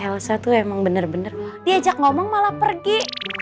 elsa tuh emang bener bener diajak ngomong malah pergi